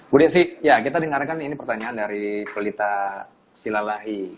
bu desi ya kita dengarkan ini pertanyaan dari pelita silalahi